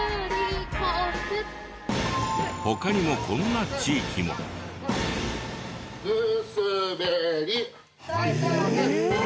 他にもこんな地域も。ええ！